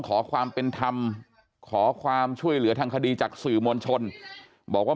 ขอความเป็นธรรมขอความช่วยเหลือทางคดีจากสื่อมวลชนบอกว่า